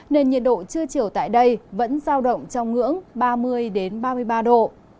nên nhiệt độ trưa chiều tại đây vẫn giao động trong ngưỡng ba mươi ba mươi ba độ